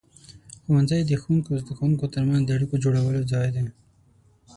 ښوونځی د ښوونکو او زده کوونکو ترمنځ د اړیکو د جوړولو ځای دی.